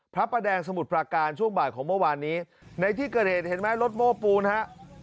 พระประแดงสมุทรปราการช่วงบ่ายของเมื่อวานนี้ในที่เกิดเหตุเห็นไหมรถโม้ปูนฮะ